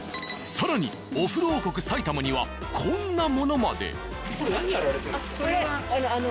更にお風呂王国埼玉にはこんなものまで。